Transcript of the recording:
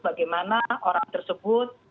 bagaimana orang tersebut